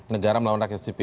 negara melawan rakyat sipil